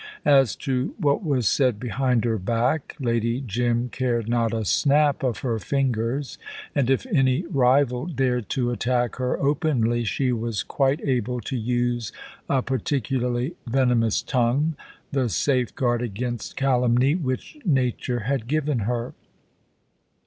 As to what was said behind her back Lady Jim cared not a snap of her fingers, and if any rival dared to attack her openly she was quite able to use a particularly venomous tongue, the safeguard against calumny which Nature had given her.